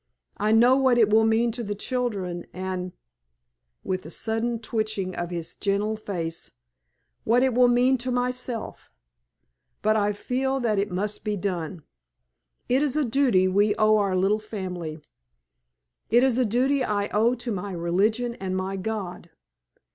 I know what it will mean to the children—and," with a sudden twitching of his gentle face, "what it will mean to myself. But I feel that it must be done. It is a duty we owe our little family. It is a duty I owe to my religion and my God.